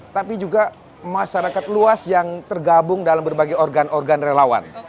tapi juga masyarakat luas yang tergabung dalam berbagai organ organ relawan